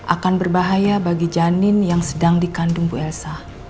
akan berbahaya bagi janin yang sedang dikandung bu elsa